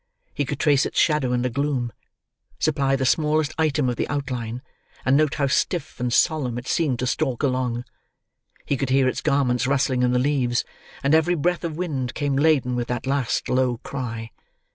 He could trace its shadow in the gloom, supply the smallest item of the outline, and note how stiff and solemn it seemed to stalk along. He could hear its garments rustling in the leaves, and every breath of wind came laden with that last low cry.